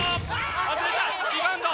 外れたリバウンド。